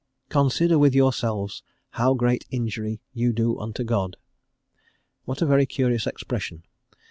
"Consider with yourselves how great injury ye do unto God:" what a very curious expression.